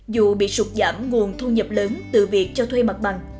dù bị sụt giảm nguồn thu nhập lớn từ việc cho thuê mặt bằng